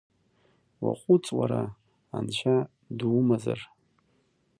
Уаҟәыҵ уара, анцәа думазар!